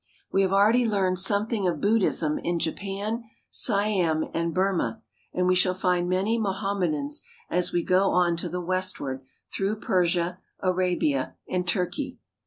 We have already learned something of Buddhism in Japan, Siam, and Burma and we shall find many Moham medans as we go on to the westward through Persia, THE RELIGIONS OF INDIA 277 Arabia, and Turkey.